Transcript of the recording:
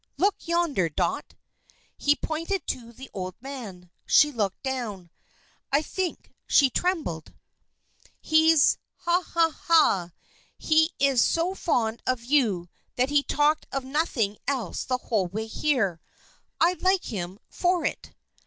Look yonder, Dot." He pointed to the old man. She looked down. I think she trembled. "He's ha, ha, ha! he is so fond of you that he talked of nothing else the whole way here. I like him for it."